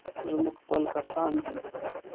زموږ خپل کسان دي.